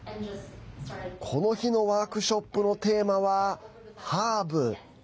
この日のワークショップのテーマはハーブ。